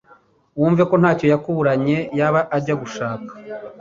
wumve ko ntacyo yakuburanye yaba ajya gushaka.